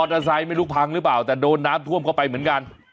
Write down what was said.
เตอร์ไซค์ไม่รู้พังหรือเปล่าแต่โดนน้ำท่วมเข้าไปเหมือนกัน